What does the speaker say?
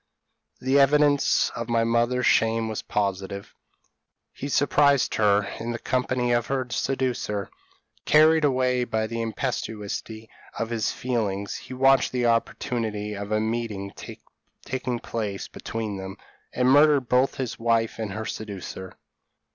The evidence of my mother's shame was positive; he surprised her in the company of her seducer! Carried away by the impetuosity of his feelings, he watched the opportunity of a meeting taking place between them, and murdered both his wife and her seducer.